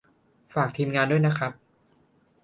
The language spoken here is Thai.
ฝาก ทีมงาน ด้วยนะครับ